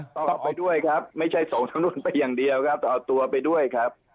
ต้องเอาไปด้วยครับไม่ใช่ส่งทั้งนู้นไปอย่างเดียวครับต้องเอาตัวไปด้วยครับ